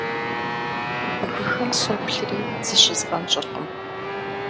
Бгыхэм соплъри защызгъэнщӀыркъым.